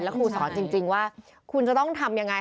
ครูสอนจริงว่าคุณจะต้องทำยังไง